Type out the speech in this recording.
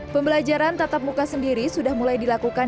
pembelajaran tatap muka sendiri sudah mulai dilakukan